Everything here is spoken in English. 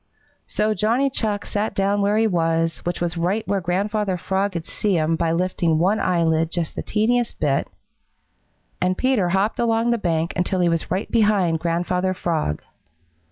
So Johnny Chuck sat down where he was, which was right where Grandfather Frog could see him by lifting one eyelid just the teeniest bit, and Peter hopped along the bank until he was right behind Grandfather Frog.